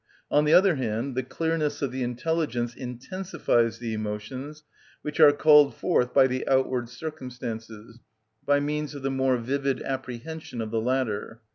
On the other hand, the clearness of the intelligence intensifies the emotions, which are called forth by the outward circumstances, by means of the more vivid apprehension of the latter.